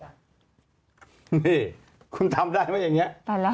นี่คุณทำได้ไหมอย่างนี้